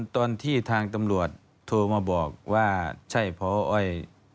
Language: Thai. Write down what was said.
ตอนที่ทางตำรวจโทรมาบอกว่าใช่พออ้อย